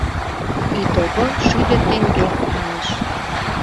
Итого шӱдӧ теҥге, манеш.